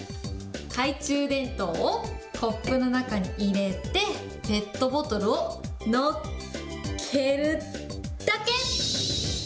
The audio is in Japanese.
懐中電灯をコップの中に入れて、ペットボトルを乗っけるだけ。